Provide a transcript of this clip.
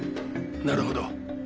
なるほど。